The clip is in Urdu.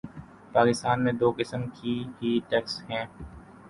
پاکستان میں دو قسم کے ہی ٹیکس ہیں۔